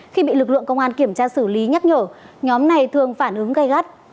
khi bị lực lượng công an kiểm tra xử lý nhắc nhở nhóm này thường phản ứng gây gắt